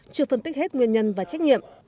chưa phân tích hết nguyên nhân và trách nhiệm